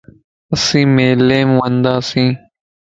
اسين ميليءَ مَ ونداسين